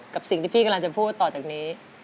และที่พี่กำลังจะพูดต่อจากนี้